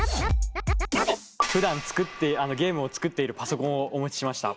ふだんゲームを作っているパソコンをお持ちしました。